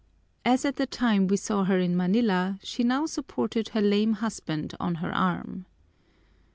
As at the time we saw her in Manila, she now supported her lame husband on her arm.